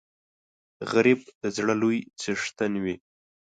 غریب د زړه لوی څښتن وي